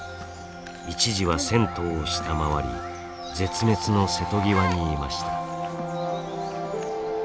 一時は１，０００頭を下回り絶滅の瀬戸際にいました。